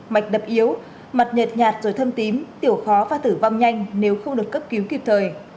mạch đập yếu mặt nhệt nhạt rồi thâm tím tiểu khó và tử vong nhanh nếu không được cấp cứu kịp thời